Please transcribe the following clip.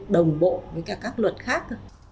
đồng bộ với các luật khác